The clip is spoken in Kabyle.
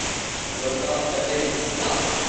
Wama abrid sneɣ-t.